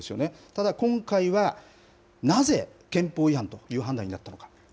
ただ今回は、なぜ憲法違反という判断になったのか。